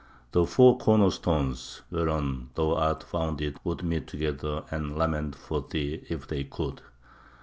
"The four corner stones whereon thou art founded would meet together and lament for thee, if they could!